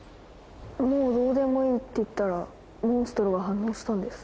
「『もうどうでもいい』って言ったらモンストロが反応したんです」。